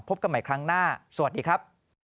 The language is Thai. พบกันใหม่ครั้งหน้าสวัสดีครับ